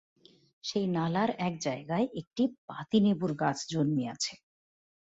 সেই নালার এক জায়গায় একটি পাতিনেবুর গাছ জন্মিয়াছে।